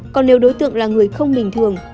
còn nếu đối tượng là người không bình thường